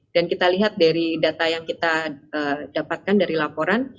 dan kita lihat dari data yang kita dapatkan dari laporan